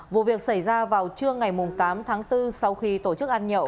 vụ việc xảy ra vào trưa ngày tám tháng bốn sau khi tổ chức ăn nhậu